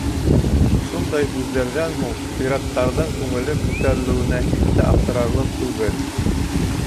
Шундай һүҙҙәрҙән һуң пираттарҙың күңеле күтәрелеүенә һис тә аптырарлыҡ түгел.